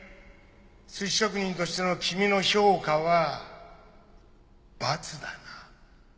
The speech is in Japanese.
寿司職人としての君の評価はバツだな。